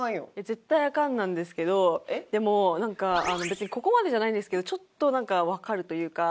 絶対アカンなんですけどでもなんか別にここまでじゃないんですけどちょっとなんかわかるというか。